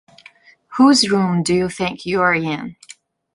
Whose room do you think you’re in?